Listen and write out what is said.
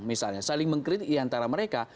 misalnya saling mengkritik antara mereka